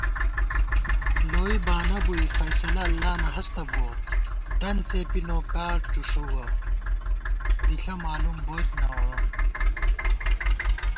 لوئی بانہ بُوئی فیصلہ اللہ نہ ہستہ بُوَہ * دنت څېپی نوکا ڄُݭُوَہ ، دِݪہ مالُوم بوئیت نہ ووڑون